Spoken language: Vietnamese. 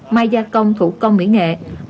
mai gia công thủ công mỹ nghệ